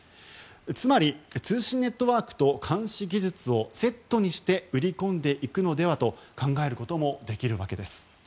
つまり、通信ネットワークと監視技術をセットにして売り込んでいくのではと考えることもできるわけです。